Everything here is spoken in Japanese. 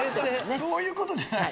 そういうことじゃない。